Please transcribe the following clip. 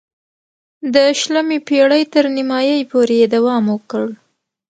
د شلمې پېړۍ تر نیمايی پورې یې دوام وکړ.